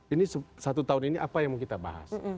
ini satu tahun ini apa yang mau kita bahas